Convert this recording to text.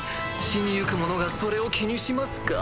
死に行く者がそれを気にしますか？